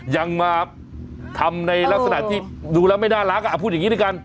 ยังมาทำในลักษณะที่ดูแล้วไม่น่ารักพูดอย่างนี้ด้วยกัน